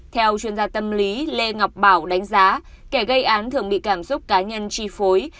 theo chuyên gia tâm lý lê ngọc bảo đánh giá kẻ gây án thường bị cảm xúc cá nhân chi phối